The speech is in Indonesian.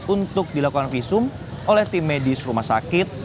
untuk dilakukan visum oleh tim medis rumah sakit